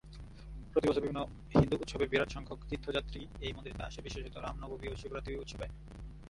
প্রতি বছর বিভিন্ন হিন্দু উৎসবে বিরাট সংখ্যক তীর্থযাত্রী এই মন্দিরে আসে বিশেষত রাম নবমী ও শিবরাত্রি উৎসবে।